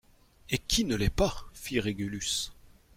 Et qui ne l'est pas ! fit Régulus.